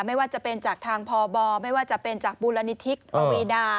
ไม่ว่าจะเป็นจากทางพบไม่ว่าจะเป็นจากมูลนิธิปวีดา